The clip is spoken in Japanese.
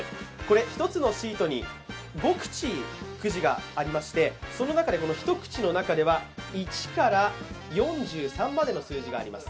１つのシートに５口、くじがありましてその中で、１口の中には１から４３までの数字があります。